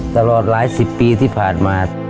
ตลอดหลายสิบปีที่ผ่านมา